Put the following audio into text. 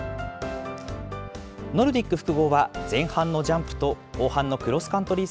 ノルディック複合は前半のジャンプと後半のクロスカントリー